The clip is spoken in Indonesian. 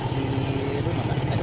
di rumah tadi